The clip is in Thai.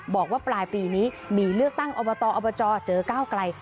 บอกว่าปลายปีนี้มีเลือกตั้งอบตอบจเจอก้าวไกล